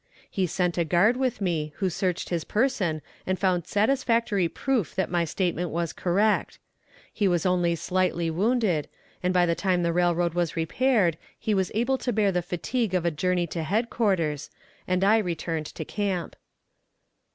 He sent a guard with me, who searched his person and found satisfactory proof that my statement was correct. He was only slightly wounded, and by the time the railroad was repaired he was able to bear the fatigue of a journey to headquarters, and I returned to camp.